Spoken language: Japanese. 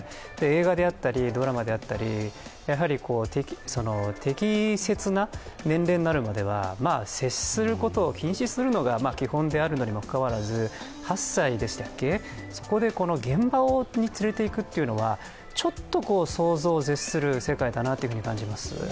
映画であったりドラマであったりやはり適切な年齢になるまでは接することを禁止するのが基本であるのにもかかわらず８歳でしたっけ、そこで現場に連れて行くというのはちょっと想像を絶する世界だなと感じます。